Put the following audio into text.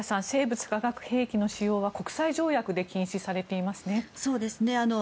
生物・化学兵器の使用は国際条約で禁止されていますね。